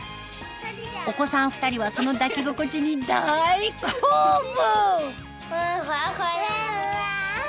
お子さん２人はその抱き心地に大興奮！